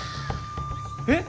えっ！？